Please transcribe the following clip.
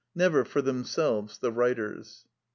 Never for themselves, the writers.